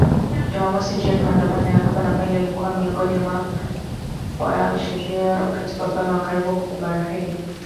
Jumamosi jioni maandamano ya hapa na pale yalizuka miongoni mwa wa shia katika ufalme wa karibu huko nchini Bahrain, kuhusiana na mauaji hayo ya watu wengi